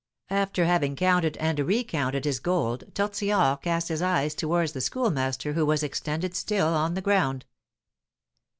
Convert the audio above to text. After having counted and recounted his gold Tortillard cast his eyes towards the Schoolmaster who was extended still on the ground.